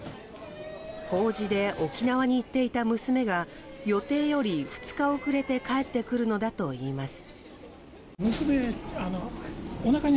法事で沖縄に行っていた娘が予定より２日遅れて帰ってくるのだといいます。